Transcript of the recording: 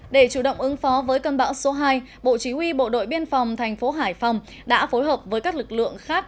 để chủ động ứng phó với cơn bão số hai bộ chí huy bộ đội biên phòng tp hải phòng đã phối hợp với các lực lượng khác